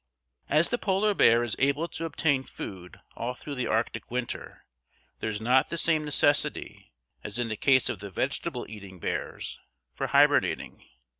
"As the Polar bear is able to obtain food all through the Arctic winter, there is not the same necessity, as in the case of the vegetable eating bears, for hibernating.